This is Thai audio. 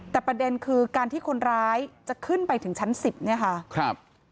แต่ประเด็นคือการที่คนร้ายจะขึ้นไปถึงชั้น๑๐เนี่ยค่ะครับ